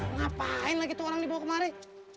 ngapain lagi tuh orang dibawa kemari